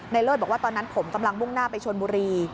เลิศบอกว่าตอนนั้นผมกำลังมุ่งหน้าไปชนบุรี